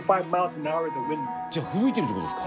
じゃあふぶいてるってことですか？